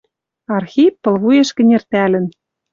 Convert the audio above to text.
Архип, пылвуеш кӹнертӓлӹн